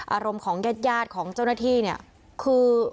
อารมณ์ของญาติของเจ้าหน้าที่เนี่ยคือ